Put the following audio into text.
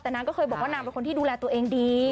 แต่นางก็เคยบอกว่านางเป็นคนที่ดูแลตัวเองดี